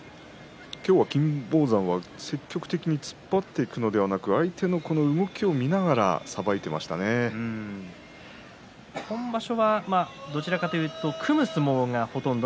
今日、金峰山は積極的に突っ張っていくのではなく相手の動きを見ながら今場所は組む相撲がほとんど。